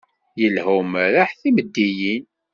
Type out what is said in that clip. Ilha umerreḥ timeddiyin.